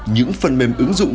những phần mềm ứng dụng